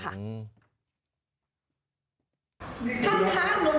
ข้างหนูอ่ะตกท่อกรทมมา๔ปีแล้วนะ